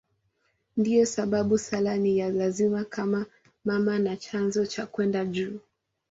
Ndiyo sababu sala ni ya lazima kama mama na chanzo cha kwenda juu.